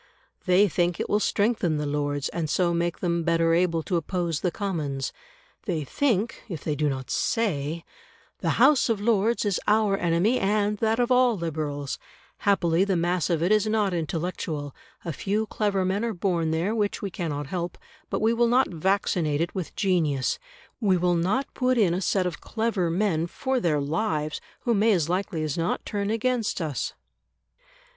They think it will strengthen the Lords, and so make them better able to oppose the Commons; they think, if they do not say: "The House of Lords is our enemy and that of all Liberals; happily the mass of it is not intellectual; a few clever men are born there which we cannot help, but we will not 'vaccinate' it with genius; we will not put in a set of clever men for their lives who may as likely as not turn against us".